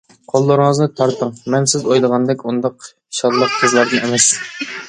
-قوللىرىڭىزنى تارتىڭ، مەن سىز ئويلىغاندەك ئۇنداق شاللاق قىزلاردىن ئەمەس.